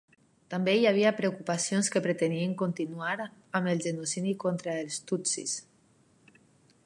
També hi havia preocupacions que pretenien continuar amb el genocidi contra els tutsis.